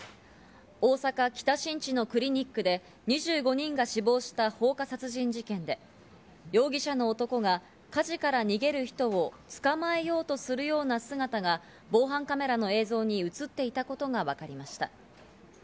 大阪・北新地のクリニックで２５人が死亡した放火殺人事件で容疑者の男が火事から逃げる人を捕まえようとするような姿が防犯カメラの映像に映っていたことがわかりました。